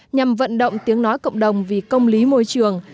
nhằm vận động tiếng nói cộng đồng vì công lý môi trường